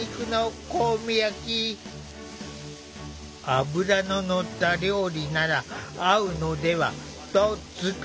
脂の乗った料理なら合うのではと作ってくれた。